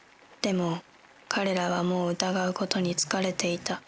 でも彼らはもう疑うことに疲れていた。